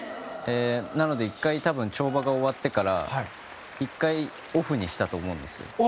なので、１回跳馬が終わってから１回オフにしたと思うんです。